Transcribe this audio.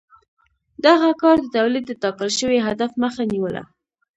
دغه کار د تولید د ټاکل شوي هدف مخه نیوله.